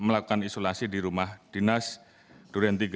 dan melakukan isolasi di rumah dinas duren tiga